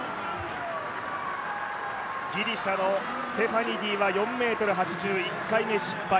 ギリシャのステファニディは４ｍ８０、１回目失敗。